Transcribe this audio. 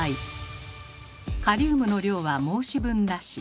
カリウムの量は申し分なし。